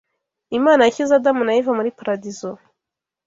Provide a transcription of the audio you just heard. Imana yashyize Adamu na Eva muri paradizo.